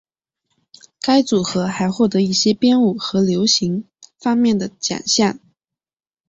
该组合还获得一些编舞和流行方面的奖项。